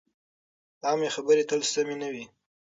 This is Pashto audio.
عامې خبرې تل سمې نه وي.